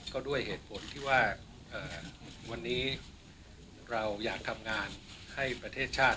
ก็ด้วยเหตุผลที่ว่าวันนี้เราอยากทำงานให้ประเทศชาติ